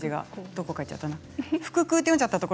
どっかいっちゃったな。